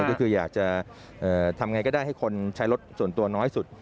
ก็คืออยากจะทำไงก็ได้ให้คนใช้รถส่วนตัวน้อยสุด